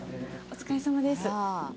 お疲れさまです。